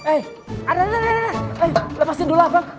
eh lepasin dulu lah bang